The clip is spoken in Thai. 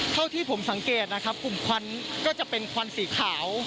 เท่าที่ผมสังเกตนะครับกลุ่มควันก็จะเป็นควันสีขาว